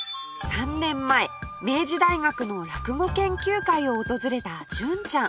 ３年前明治大学の落語研究会を訪れた純ちゃん